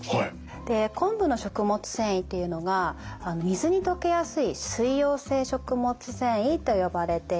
で昆布の食物繊維っていうのが水に溶けやすい水溶性食物繊維と呼ばれているものなんですね。